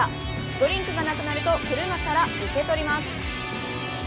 ドリンクがなくなると、車から受け取ります。